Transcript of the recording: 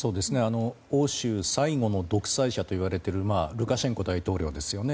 欧州最後の独裁者と言われているルカシェンコ大統領ですよね。